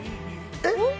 えっ？